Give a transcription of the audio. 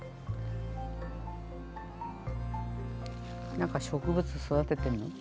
何か植物育ててんの？